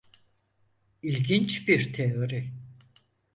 İlginç bir teori.